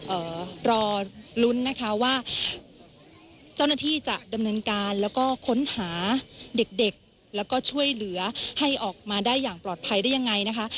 เอ่อรอลุ้นนะคะว่าเจ้าหน้าที่จะดำเนินการแล้วก็ค้นหาเด็กเด็กแล้วก็ช่วยเหลือให้ออกมาได้อย่างปลอดภัยได้ยังไงนะคะ